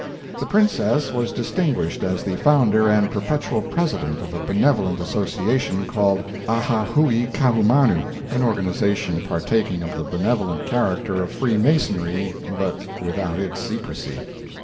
The Princess was distinguished as the founder and Perpetual President of a benevolent association called "Aha Hui Kaahumanu"—an organization partaking of the benevolent character of Freemasonry, but without its secrecy.